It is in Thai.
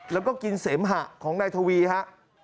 แล้วก็กินเสมหะของนายทวีฮะ